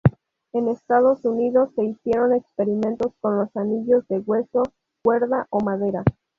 En Estados Unidos se hicieron experimentos con los anillos de hueso, cuerda o madera.